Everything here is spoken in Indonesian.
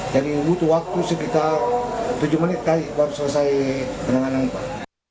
jadi butuh waktu sekitar tujuh menit tadi baru selesai penanganan pak